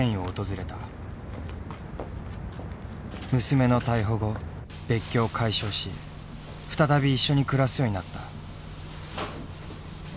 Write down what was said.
娘の逮捕後別居を解消し再び一緒に暮らすようになった。